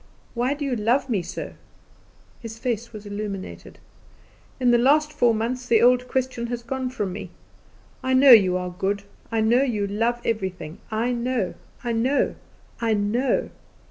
Why do you love me so? His face was illuminated. In the last four months the old question has gone from me. I know you are good; I know you love everything; I know, I know, I know!